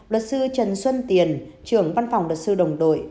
luật sư trần xuân tiền trưởng văn phòng luật sư đồng đội